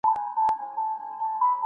د شکنجې ځایونه باید وتړل سي.